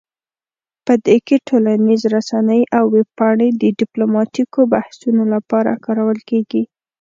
په دې کې ټولنیز رسنۍ او ویب پاڼې د ډیپلوماتیکو بحثونو لپاره کارول کیږي